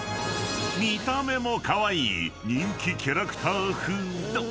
［見た目もカワイイ人気キャラクターフード］